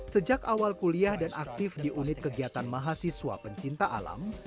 sejak awal kuliah dan aktif di unit kegiatan mahasiswa pencinta alam